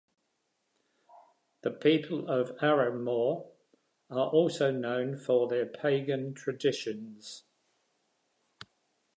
The People of Arranmore are also known for their pagan traditions.